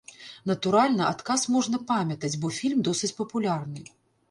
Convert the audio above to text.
Натуральна, адказ можна памятаць, бо фільм досыць папулярны.